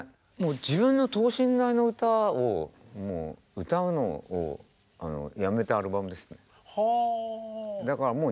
自分の等身大の歌を歌うのをやめたアルバムですね。